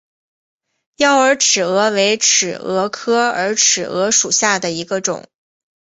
妖洱尺蛾为尺蛾科洱尺蛾属下的一个种。